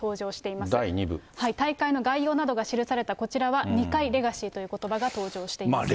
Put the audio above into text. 大会の概要などが記されたこちらは２回、レガシーということばが登場しています。